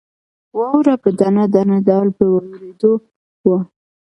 واوره په دانه دانه ډول په وورېدو وه.